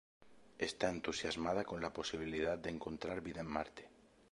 Está entusiasmada con la posibilidad de encontrar vida en Marte.